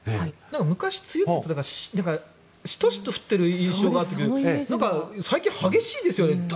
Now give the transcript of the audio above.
昔、梅雨ってシトシト降ってる印象があったけど最近激しいですよね。